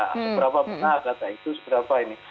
seberapa benar data itu seberapa ini